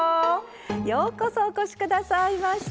ようこそお越し下さいました。